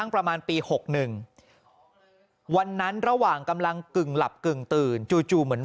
ประมาณปี๖๑วันนั้นระหว่างกำลังกึ่งหลับกึ่งตื่นจู่เหมือน